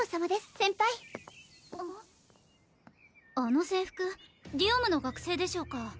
先輩あの制服ディオムの学生でしょうか？